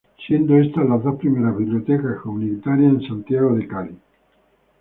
Siendo estas las dos primeras bibliotecas comunitarias en Santiago de Cali.